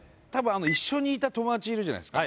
一緒にいた友達いるじゃないですか。